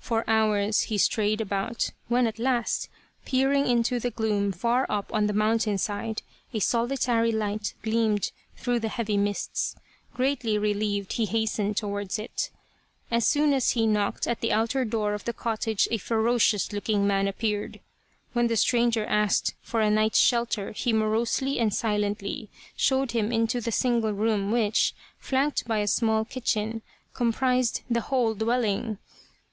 For hours he strayed about, when at last, peering into the gloom far up on the mountain side, a solitary light gleamed through the heavy mists. Greatly re lieved he hastened towards it. As soon as he knocked at the outer door of the cottage a ferocious looking man appeared. When the stranger asked for a night's shelter he morosely and in The Reincarnation of Tama silently showed him into the single room which, flanked by a small kitchen, comprised the whole dwelling.